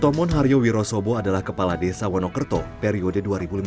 tomon haryo wirosobo adalah kepala desa wonokerto periode dua ribu lima belas dua ribu